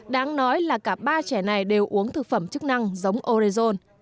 đáng nói là cả ba trẻ này đều uống thực phẩm chức năng giống orezon